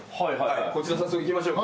こちら早速行きましょう。